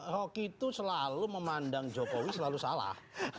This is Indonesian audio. rocky itu selalu memandang jokowi selalu salah